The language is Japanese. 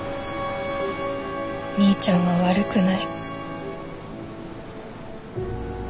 みーちゃんは悪くない。